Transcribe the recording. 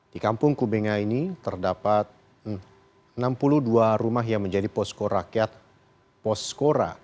di kampung kubenga ini terdapat enam puluh dua rumah yang menjadi posko rakyat poskora